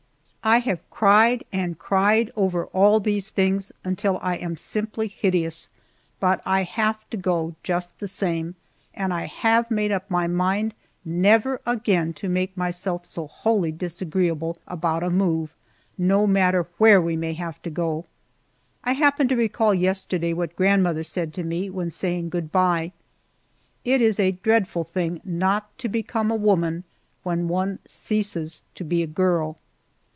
I have cried and cried over all these things until I am simply hideous, but I have to go just the same, and I have made up my mind never again to make myself so wholly disagreeable about a move, no matter where we may have to go. I happened to recall yesterday what grandmother said to me when saying good by: "It is a dreadful thing not to become a woman when one ceases to be a girl!"